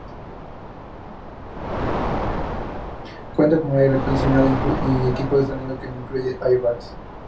Cuenta con aire acondicionado y equipo de sonido, pero no incluye airbags.